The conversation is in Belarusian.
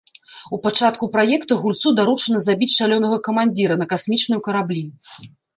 У пачатку праекта гульцу даручана забіць шалёнага камандзіра на касмічным караблі.